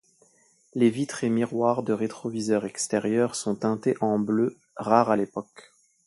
Les vitres et miroirs de rétroviseurs extérieurs sont teintées en bleu, rare à l'époque.